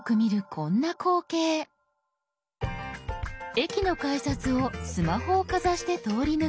駅の改札をスマホをかざして通り抜ける。